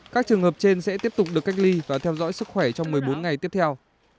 các trường hợp trên sẽ tiếp tục được cách ly và theo dõi sức khỏe trong một mươi bốn ngày tiếp theo